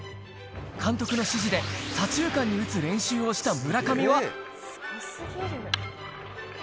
監督の指示で、左中間に打つ練習をした村上は。